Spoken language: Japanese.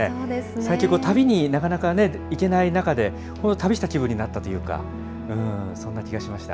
最近、旅になかなか行けない中で、本当、旅した気分になったというか、そんな気がしました。